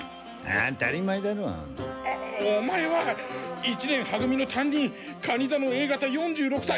おっオマエは一年は組の担任かに座のＡ型４６才